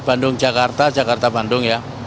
bandung jakarta jakarta bandung ya